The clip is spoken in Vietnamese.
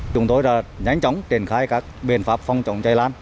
chúng tôi đã nhanh chóng triển khai các biện pháp phong trọng cháy lan